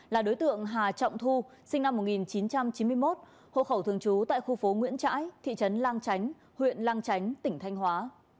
là đối tượng hà trọng thu sinh năm một nghìn chín trăm chín mươi một hộ khẩu thường trú tại khu phố nguyễn trãi thị trấn lang chánh huyện lang chánh tỉnh thanh hóa